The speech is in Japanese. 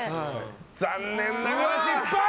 残念ながら失敗！